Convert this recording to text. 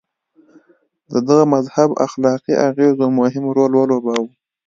د دغه مذهب اخلاقي اغېزو مهم رول ولوباوه.